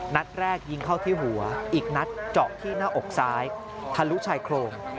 นัดแรกยิงเข้าที่หัวอีกนัดเจาะที่หน้าอกซ้ายทะลุชายโครง